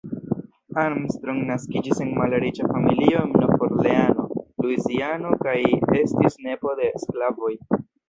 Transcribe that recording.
Armstrong naskiĝis en malriĉa familio en Nov-Orleano, Luiziano, kaj estis nepo de sklavoj.